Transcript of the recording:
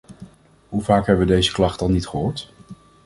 Hoe vaak hebben we deze klacht al niet gehoord?